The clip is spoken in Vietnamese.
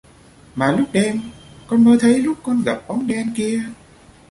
Mà lúc đêm con mơ thấy lúc con gặp bóng đen kia